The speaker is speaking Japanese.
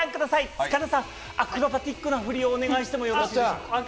塚田さん、アクロバティックな振りをお願いしてもよろしいですか？